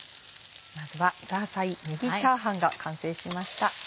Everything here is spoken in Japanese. まずはザーサイねぎチャーハンが完成しました。